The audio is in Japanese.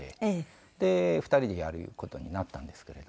で２人でやる事になったんですけれど。